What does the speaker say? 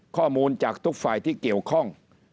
ข้อมูลจากทุกฝ่ายที่เกี่ยวข้อง